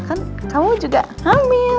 kan kamu juga hamil